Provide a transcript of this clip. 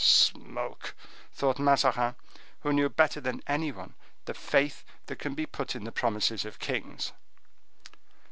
"Smoke!" thought Mazarin, who knew better than any one the faith that can be put in the promises of kings.